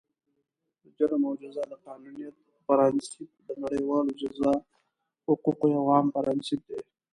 د جرم او جزا د قانونیت پرانسیپ، د نړیوالو جزا حقوقو یو عام پرانسیپ دی.